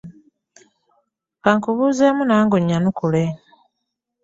Ka nkubuuzeemu nange onnyanukule.